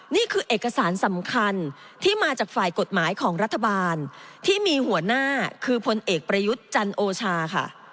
นี่คือเอกสารสำคัญที่มาจากฝ่ายกฎหมายของรัฐบาลที่มีหัวหน้าคือพลเอกประยุทธ์จันโอชาค่ะ